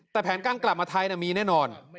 แต่แผนการกลับมาไทยมีแน่นอน